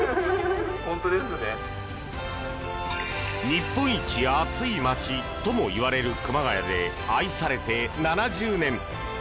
日本一暑い町とも言われる熊谷で愛されて７０年。